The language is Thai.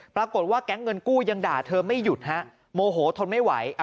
ปรากฏว่าแก๊งเงินกู้ยังด่าเธอไม่หยุดฮะโมโหทนไม่ไหว